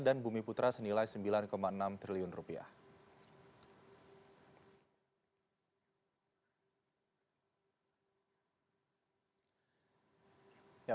dan bumi putra senilai sembilan enam triliun dolar